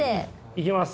行きます！